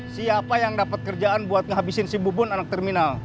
siapa yang dapat kerjaan buat ngabisin si bubun anak terminal